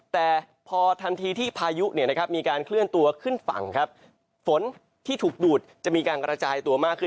แต่พอทันทีที่พายุเนี่ยนะครับมีการเคลื่อนตัวขึ้นฝั่งครับฝนที่ถูกดูดจะมีการกระจายตัวมากขึ้น